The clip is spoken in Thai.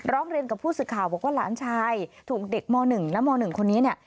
ร้องเรียนกับผู้สื่อข่าวบอกว่าหลานชายถูกเด็กม๑และม๑คนนี้เนี่ย